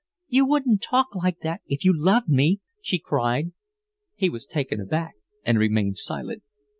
"You wouldn't talk like that if you loved me," she cried. He was taken aback and remained silent.